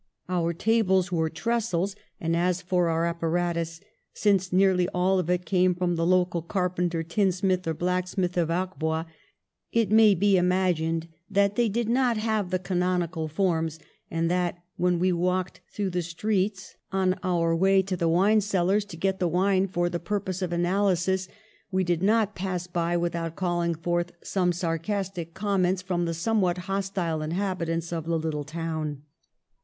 Our tables were trestles, and as for our apparatus, since nearly all of it came from the local carpenter, tinsmith or black smith of Arbois, it may be imagined that they did not have the canonical forms and that, when we walked through the streets on our FOR THE NATIONAL WEALTH 79 way to the wine cellars to get the wine for the purpose of analysis, we did not pass by without calling forth some sarcastic comments from the somewhat hostile inhabitants of the little town.'